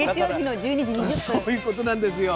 だからそういうことなんですよ。